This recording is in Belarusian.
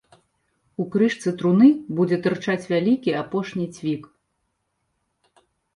У крышцы труны будзе тырчаць вялікі апошні цвік.